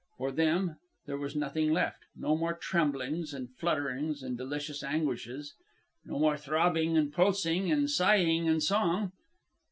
For them there was nothing left no more tremblings and flutterings and delicious anguishes, no more throbbing and pulsing, and sighing and song.